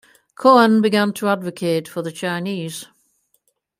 Cohen began to advocate for the Chinese.